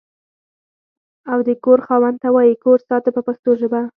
او د کور خاوند ته وایي کور ساته په پښتو ژبه.